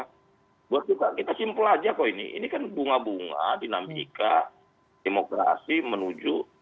kita simpel saja kok ini ini kan bunga bunga dinamika demokrasi menuju dua ribu dua puluh empat